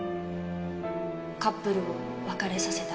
カップルを別れさせたり。